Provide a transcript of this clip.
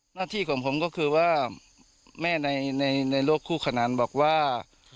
หน้าที่ของผมก็คือว่าแม่ในโลกคู่ขนานบอกว่า